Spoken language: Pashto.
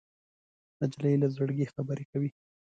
نجلۍ له زړګي خبرې کوي.